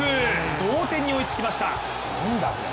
同点に追いつきました。